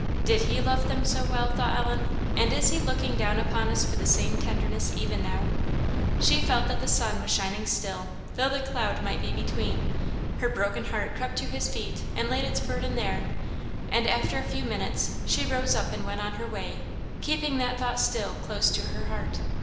Did He love them so well? thought Ellen, and is He looking down upon us with the same tenderness even now? She felt that the sun was shining still, though the cloud might be between; her broken heart crept to His feet, and laid its burden there, and after a few minutes she rose up and went on her way, keeping that thought still close to her heart.